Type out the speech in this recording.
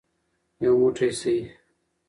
یو موټی شئ.